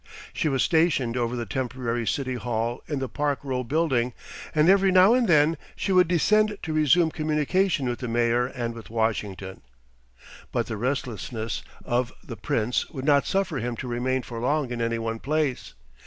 She was stationed over the temporary City Hall in the Park Row building, and every now and then she would descend to resume communication with the mayor and with Washington. But the restlessness of the Prince would not suffer him to remain for long in any one place.